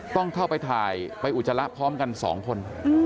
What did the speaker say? ต้องเข้าไปถ่ายไปอุจจาระพร้อมกัน๒คน